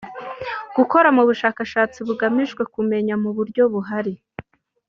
gukora ubushakashatsi bugamije kumenya mu buryo buhari